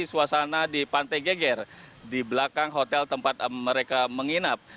suasana di pantai geger di belakang hotel tempat mereka menginap